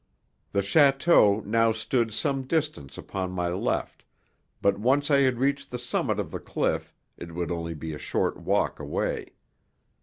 The château now stood some distance upon my left, but once I had reached the summit of the cliff it would only be a short walk away.